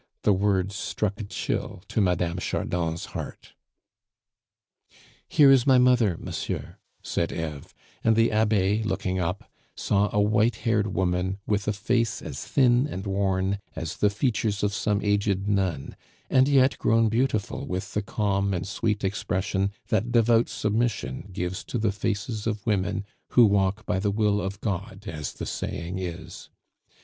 The words struck a chill to Mme. Chardon's heart. "Here is my mother, monsieur," said Eve, and the Abbe, looking up, saw a white haired woman with a face as thin and worn as the features of some aged nun, and yet grown beautiful with the calm and sweet expression that devout submission gives to the faces of women who walk by the will of God, as the saying is.